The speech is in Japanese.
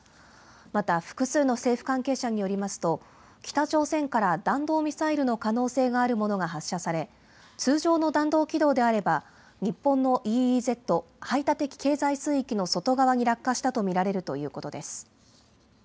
また、複数の政府関係者によりますと、北朝鮮から弾道ミサイルの可能性のあるものが発射され、通常の弾道軌道であれば、日本のＥＥＺ・排他的経済水域の外側に落下したと見られるということです。